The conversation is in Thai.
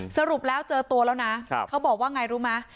สรุปแล้วเจอตัวแล้วนะเขาบอกว่าไงรู้ไหม